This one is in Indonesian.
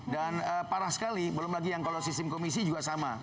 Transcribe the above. dan parah sekali belum lagi yang kalau sistem komisi juga sama